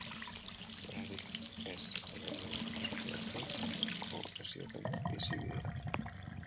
Janaririk ez edaririk eskuratuko ez zioten bizibideak.